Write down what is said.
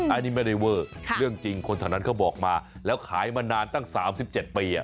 อันนี้ไม่ได้เวอร์เรื่องจริงคนแถวนั้นเขาบอกมาแล้วขายมานานตั้ง๓๗ปี